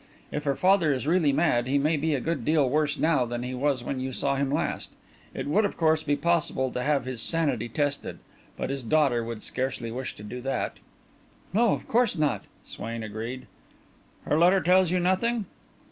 If her father is really mad, he may be a good deal worse now than he was when you saw him last. It would, of course, be possible to have his sanity tested but his daughter would scarcely wish to do that." "No, of course not," Swain agreed. "Her letter tells you nothing?"